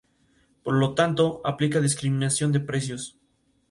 El dolor lo hace pensar en otra cosa.